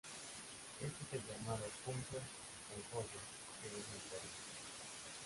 Este es el llamado "Punto Concordia", según el Perú.